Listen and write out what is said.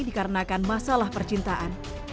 dikarenakan masalah percintaan